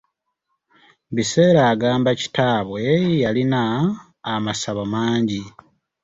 Biseera agamba kitaabwe yalina amasabo mangi.